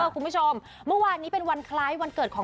คุณผู้ชมเมื่อวานนี้เป็นวันคล้ายวันเกิดของ